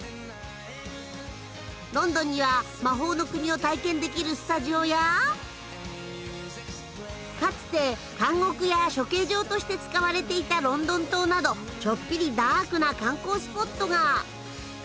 ロンドンには魔法の国を体験できるスタジオやかつて監獄や処刑場として使われていたロンドン塔などちょっぴりダークな観光スポットが。